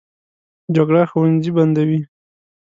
جګړه ښوونځي بندوي